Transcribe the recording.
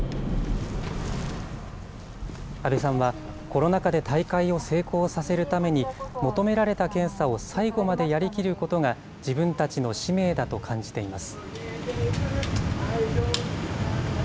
阿部さんは、コロナ禍で大会を成功させるために、求められた検査を最後までやりきることが、自分たちの使命だと感じています。